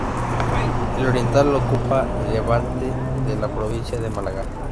El oriental ocupa el levante de la provincia de Málaga.